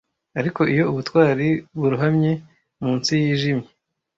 Ariko iyo ubutwari burohamye munsi yijimye